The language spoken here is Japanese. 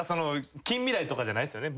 近未来とかじゃないっすよね